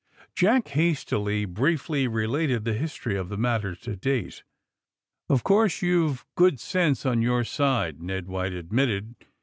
Jack hastily, briefly related the history of the matter to date. *^0f course you've good sense on your side," Ned White admitted.